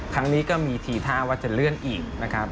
ครั้งนี้ก็มีทีท่าว่าจะเลื่อนอีกนะครับ